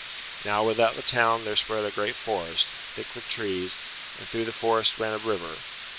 Now without the town there spread a great forest, thick with trees, and through the forest ran a river.